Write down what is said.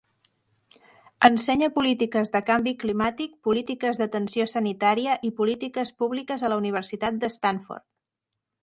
Ensenya polítiques de canvi climàtic, polítiques d'atenció sanitària i polítiques públiques a la Universitat de Stanford.